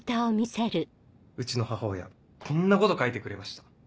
うちの母親こんなこと書いてくれました。